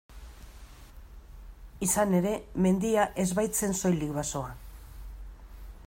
Izan ere, mendia ez baitzen soilik basoa.